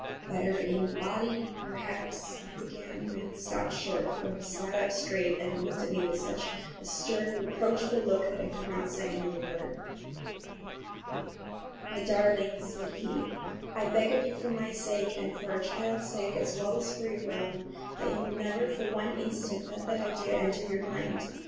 "Better in body perhaps"—I began, and stopped short, for he sat up straight and looked at me with such a stern, reproachful look that I could not say another word. "My darling," said he, "I beg of you, for my sake and for our child's sake, as well as for your own, that you will never for one instant let that idea enter your mind!